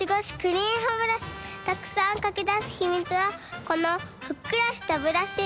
たくさんかきだすひみつはこのふっくらしたぶらし。